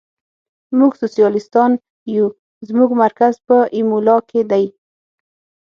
موږ سوسیالیستان یو، زموږ مرکز په ایمولا کې دی.